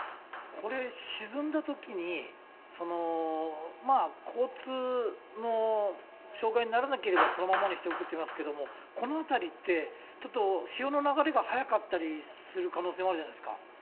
これ、沈んだときに、交通の障害にならなければそのままにしておくって言いますけれども、この辺りって、ちょっと潮の流れが速かったりする可能性もあるじゃないですか。